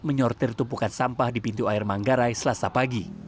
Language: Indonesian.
menyortir tumpukan sampah di pintu air manggarai selasa pagi